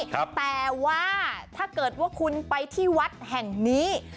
แต่ว่าถ้าเกิดว่าคุณไปที่วัดแห่งนี้